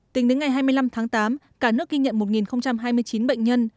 tính đến ngày hai mươi năm tháng tám cả nước ghi nhận một hai mươi chín bệnh nhân